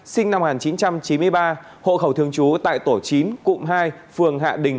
sinh năm một nghìn chín trăm chín mươi ba hộ khẩu thường trú tại tổ chín cụm hai phường hạ đình